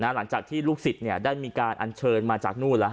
หลังจากที่ลูกศิษย์ได้มีการอัญเชิญมาจากนู่น